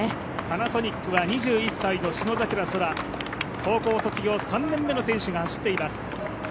パナソニックは２１歳の信櫻空、高校卒業３年目の選手が走っています。